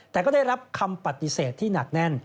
แต่ก็ได้รับคำปฏิเสธที่หนักแน่น